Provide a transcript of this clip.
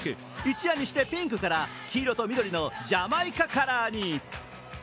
一夜にしてピンクから黄色と緑のジャマイカカラーに。